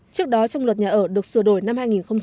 trước đó trong luật nhà ở được sửa đổi năm hai nghìn một mươi bốn